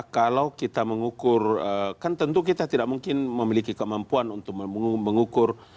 kalau kita mengukur kan tentu kita tidak mungkin memiliki kemampuan untuk mengukur